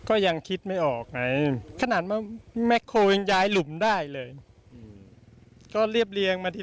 ก็ยังคิดไม่ออกไง